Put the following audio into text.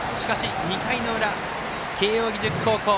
しかし、２回の裏、慶応義塾高校